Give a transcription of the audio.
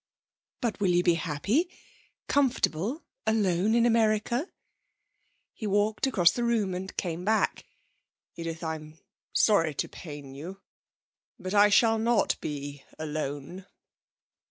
'But will you be happy comfortable alone in America?' He walked across the room and came back. 'Edith, I'm sorry to pain you, but I shall not be alone.'